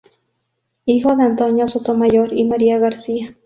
Hijo de Antonio Sotomayor y María García.